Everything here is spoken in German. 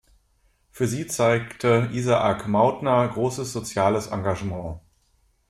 Für sie zeige Isaak Mautner großes soziales Engagement.